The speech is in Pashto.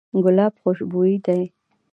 ګلاب خوشبوی دی.